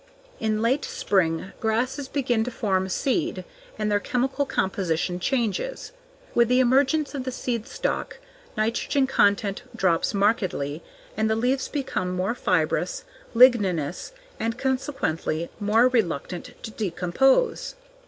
In late spring, grasses begin to form seed and their chemical composition changes. With the emergence of the seed stalk, nitrogen content drops markedly and the leaves become more fibrous, ligninous, and consequently, more reluctant to decompose.